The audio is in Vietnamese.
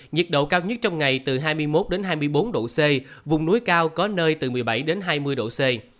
nhiệt độ cao nhất trong ngày từ hai mươi một đến hai mươi bốn độ c vùng núi cao có nơi từ một mươi bảy đến hai mươi độ c